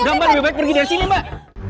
gampang lebih baik pergi dari sini pak